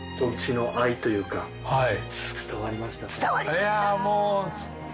いやぁもう。